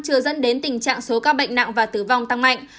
chưa dẫn đến tình trạng số ca bệnh nặng và tử vong tăng mạnh